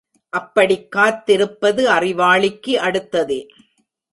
அப்படிக் காத்திருப்பது அறிவாளிக்கு அடுத்ததே.